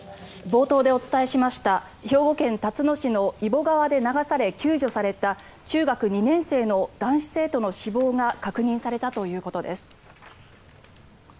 冒頭でお伝えしました兵庫県たつの市の揖保川で流され救助された中学２年生の男子生徒の死亡が確認されたということです。